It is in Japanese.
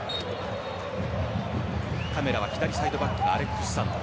カメラは左サイドバックのアレックス・サンドロ。